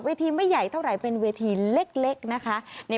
ทีไม่ใหญ่เท่าไหร่เป็นเวทีเล็กนะคะ